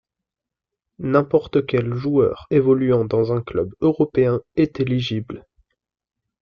N'importe quel joueur évoluant dans un club européen est éligible.